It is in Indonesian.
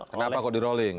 kenapa kok di rolling